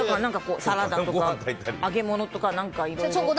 サラダとか揚げ物とか、いろいろ。